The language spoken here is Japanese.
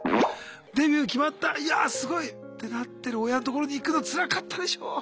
デビュー決まったいやあすごい！ってなってる親のところに行くのつらかったでしょう。